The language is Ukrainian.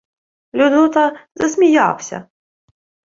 Людота засміявся: